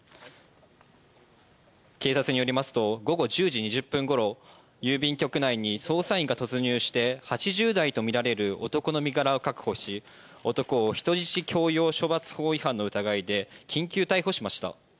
警察によりますと午後１０時２０分ごろ郵便局内に捜査員が突入して８０代とみられる男の身柄を確保し男を人質強要処罰法違反の疑いで緊急逮捕しました。